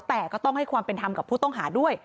แต่ก็ต้องให้ความเป็นธรรมกับผู้ต้องหาด้วย